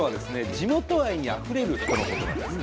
地元愛にあふれる人のことなんですね。